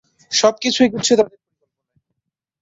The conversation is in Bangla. সব কিছু এগুচ্ছে তাদের পরিকল্পনায়।